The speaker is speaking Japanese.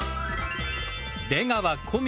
出川小宮